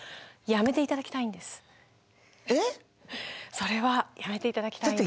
それはやめて頂きたいんですね。